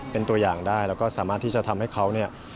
เป็นตัวอย่างได้แล้วก็สามารถที่จะทำให้เขาเนี่ย